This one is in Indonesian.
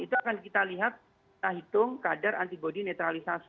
itu akan kita lihat kita hitung kadar antibody netralisasi